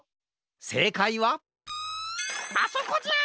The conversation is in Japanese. せいかいはあそこじゃ！